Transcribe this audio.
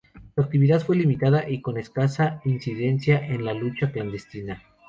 Su actividad fue limitada y con escasa incidencia en la lucha clandestina.